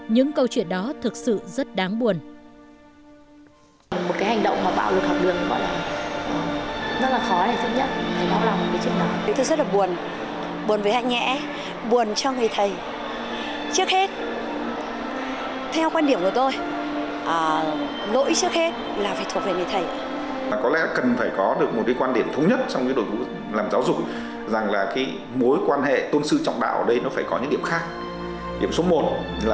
những câu chuyện đó thực sự rất đáng buồn